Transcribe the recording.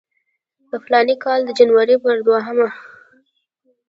د فلاني کال د جنورۍ پر دویمه.